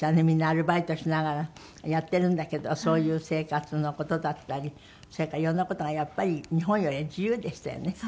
みんなアルバイトしながらやってるんだけどそういう生活の事だったりそれからいろんな事がやっぱり日本よりは自由でしたよね。